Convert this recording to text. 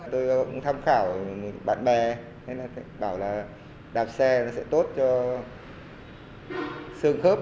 tôi cũng tham khảo với bạn bè bảo là đạp xe sẽ tốt cho xương khớp